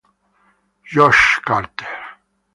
Josh Carter